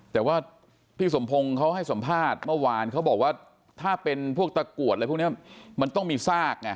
แต่ว่าพี่สมพงศ์เขาให้สัมภาษณ์เมื่อวานเขาบอกว่าถ้าเป็นพวกตะกรวดอะไรพวกนี้มันต้องมีซากไง